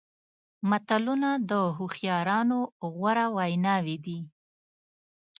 متلونه د هوښیارانو غوره ویناوې دي.